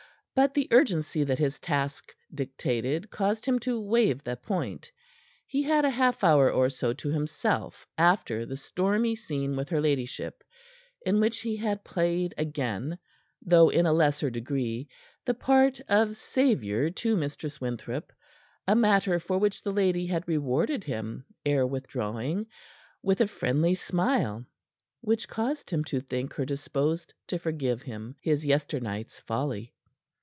But the urgency that his task dictated caused him to waive the point. He had a half hour or so to himself after the stormy scene with her ladyship, in which he had played again though in a lesser degree the part of savior to Mistress Winthrop, a matter for which the lady had rewarded him, ere withdrawing, with a friendly smile, which caused him to think her disposed to forgive him his yesternight's folly.